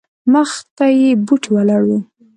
مخته یې بوټې ولاړ وو.